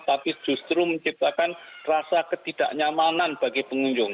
tapi justru menciptakan rasa ketidaknyamanan bagi pengunjung